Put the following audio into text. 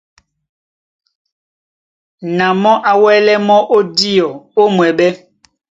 Na mɔ́ á wɛ́lɛ mɔ́ ó díɔ ó mwɛɓɛ́.